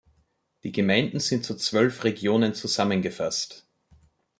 Die Gemeinden sind zu zwölf Regionen zusammengefasst.